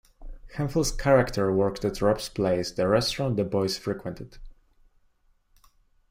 Hemphill's character worked at Rob's Place, the restaurant the boys frequented.